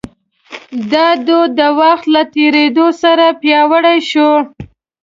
دا دود د وخت له تېرېدو سره پیاوړی شو.